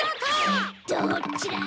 どっちだ！